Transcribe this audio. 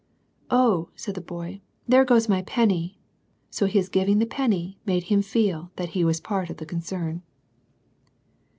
" Oh," said the boy, " there goes my penny!" So his giving the penny made him feel that he was part of the concern.